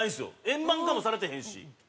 円盤化もされてへんし。